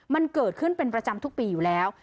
มันเกิดขึ้นเป็นประจำทุกปีอยู่แล้ว